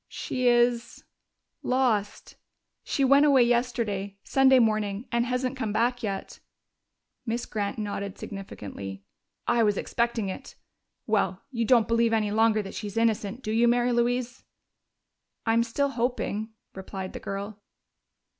"She is lost. She went away yesterday Sunday morning and hasn't come back yet." Miss Grant nodded significantly. "I was expecting it. Well, you don't believe any longer that she's innocent, do you, Mary Louise?" "I'm still hoping," replied the girl.